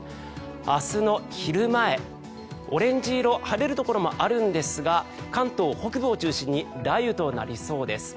明日の昼前、オレンジ色晴れるところもあるんですが関東北部を中心に雷雨となりそうです。